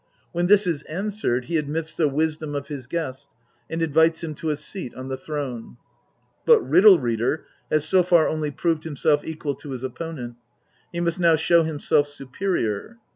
When this is answered he admits the wisdom of his guest, and invites him to a seat on the throne. But Riddle reader has so far only proved himself equal to his opponent ; he must now show himself superior.